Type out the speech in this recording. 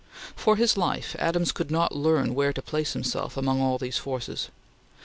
For his life, Adams could not learn where to place himself among all these forces.